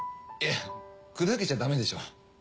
いや砕けちゃダメでしょ。